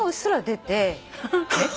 えっ？